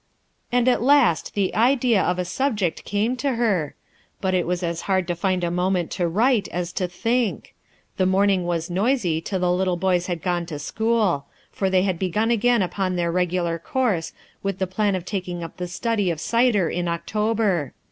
And at last the idea of a subject came to her! But it was as hard to find a moment to write as to think. The morning was noisy, till the little boys had gone to school; for they had begun again upon their regular course, with the plan of taking up the study of cider in October.